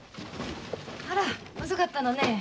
あら遅かったのねえ。